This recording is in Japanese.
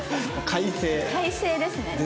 快晴ですね。